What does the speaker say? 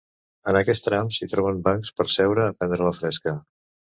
En aquest tram s'hi troben bancs per seure a prendre la fresca.